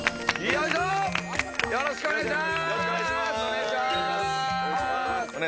よろしくお願いします。